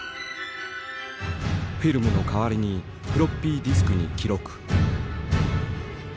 フィルムの代わりにフロッピーディスクに記録。